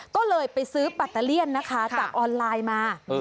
ก็เลยไปซื้อปัตเตอร์เลี่ยนนะคะจากออนไลน์มา